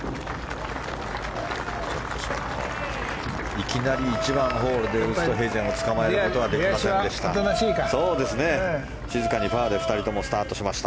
いきなり１番ホールでウーストヘイゼンをつかまえることはできませんでした。